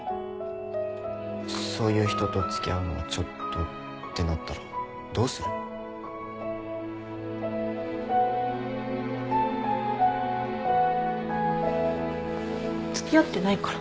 そういう人と付き合うのはちょっとってなったらどうする？付き合ってないから。